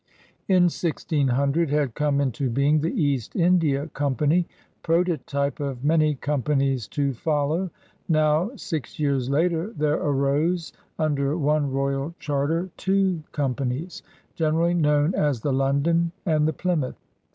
In 1600 had come into being the East India Company, prototype of many companies to follow. Now, six years later, there arose under one royal charter two companies, generally known as the London and the Plymouth.